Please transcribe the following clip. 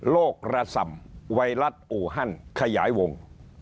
กระส่ำไวรัสอูฮันขยายวง